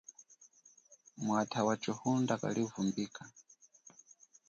Mwata wachihunda kalivumbika.